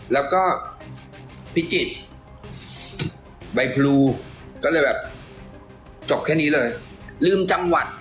แล้วก็พิจิตรใบพลูก็เลยแบบจบแค่นี้เลยลืมจังหวัด